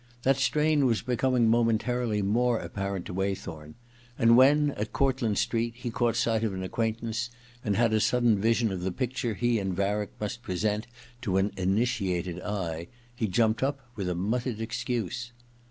That strain was becoming momentarily more apparent to Waythorn, and when, at Cortlandt Street, he caught sight of an acquaintance, and had a sudden vision of the E 50 THE OTHER TWO ii picture he and Varick must present to an initiated eye, he jumped up with a muttered excuse.